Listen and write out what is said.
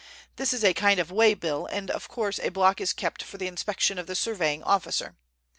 This is a kind of way bill, and of course a block is kept for the inspection of the surveying officer.